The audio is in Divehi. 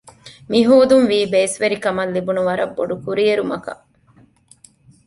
މިހޯދުން ވީ ބޭސްވެރިކަމަށް ލިބުނު ވަރަށް ބޮޑުކުރިއެރުމަކަށް